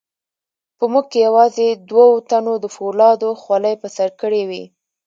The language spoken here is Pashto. په موږ کې یوازې دوو تنو د فولادو خولۍ په سر کړې وې.